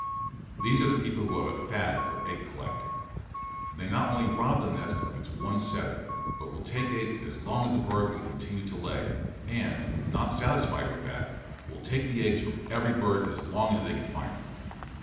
These are the people who have a fad for egg collecting. They not only rob the nest of its one setting, but will take the eggs as long as the bird will continue to lay, and, not satisfied with that, will take the eggs from every bird as long as they can find them.